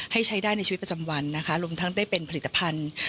ให้ใช้ได้ในชีวิตประจำวันนะคะรวมทั้งได้เป็นผลิตภัณฑ์